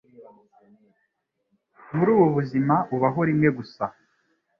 Muri ubu buzima Ubaho rimwe gusa.